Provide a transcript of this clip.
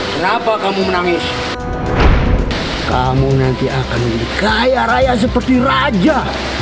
kenapa kamu menangis kamu nanti akan menjadi kaya raya seperti raja